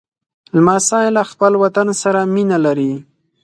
لمسی له خپل وطن سره مینه لري.